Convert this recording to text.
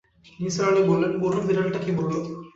নিসার আলি বললেন, বলুন, বিড়ালটা কী বলল।